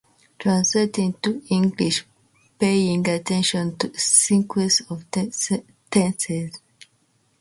Translate into English paying attention to the sequence of tenses.